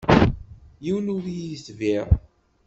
Yiwen ur yi-d-yetbiε.